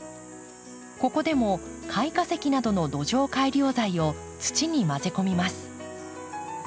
ここでも貝化石などの土壌改良材を土に混ぜ込みます。